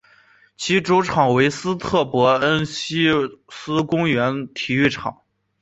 其主场为斯特伯恩希思公园体育场。